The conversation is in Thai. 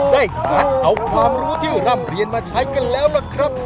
งัดเอาความรู้ที่ร่ำเรียนมาใช้กันแล้วล่ะครับ